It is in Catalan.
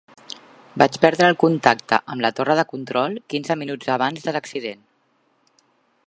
Vaig perdre el contacte amb la torre de control quinze minuts abans de l'accident.